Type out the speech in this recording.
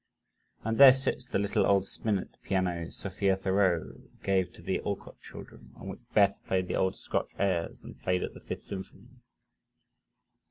And there sits the little old spinet piano Sophia Thoreau gave to the Alcott children, on which Beth played the old Scotch airs, and played at the Fifth Symphony.